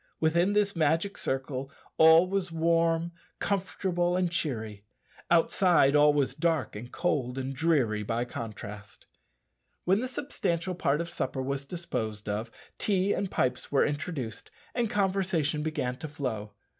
Within this magic circle all was warm, comfortable, and cheery; outside all was dark, and cold, and dreary by contrast. When the substantial part of supper was disposed of, tea and pipes were introduced, and conversation began to flow.